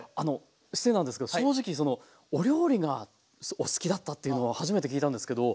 失礼なんですけど正直そのお料理がお好きだったっていうのは初めて聞いたんですけど。